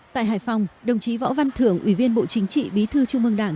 tại hải phòng đồng chí võ văn thưởng ủy viên bộ chính trị bí thư trung mương đảng